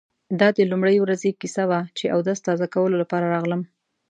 دا د لومړۍ ورځې کیسه وه چې اودس تازه کولو لپاره راغلم.